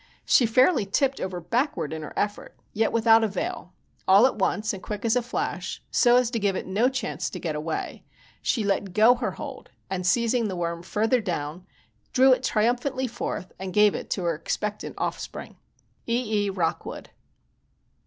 She fairly tipped over backward in her effort, yet without avail. All at once, and as quick as a flash, so as to give it no chance to get away, she let go her hold and seizing the worm farther down, drew it triumphantly forth and gave it to her expectant offspring. E. E. Rockwood.